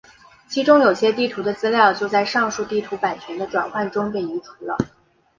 其中有些地图的资料就在上述地图版权的转换中被移除了。